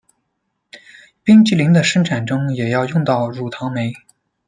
冰淇淋的生产中也要用到乳糖酶。